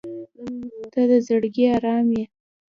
• ته د زړګي ارام یې.